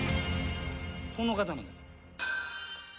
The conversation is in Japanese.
この方なんです。